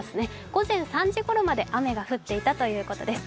午前３時ごろまで雨が降っていたということです。